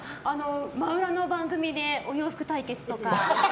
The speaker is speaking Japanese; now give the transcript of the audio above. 真裏の番組でお洋服対決とか。